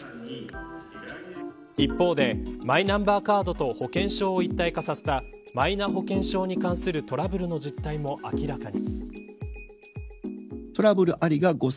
一方で、マイナンバーカードと保険証を一体化させたマイナ保険証に関するトラブルの実態も明らかに。